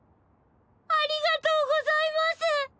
ありがとうございます！